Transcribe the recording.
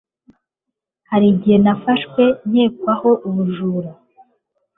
hari n igihe nafashwe nkekwaho ubujura